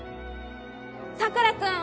佐倉君！